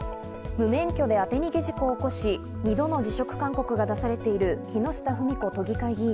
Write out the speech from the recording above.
無免許で当て逃げ事故を起こし、２度の辞職勧告が出されている木下富美子都議会議員。